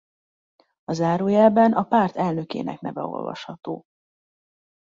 A zárójelben a párt elnökének a neve olvasható.